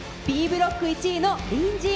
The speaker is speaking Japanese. Ｂブロック１位の隣人。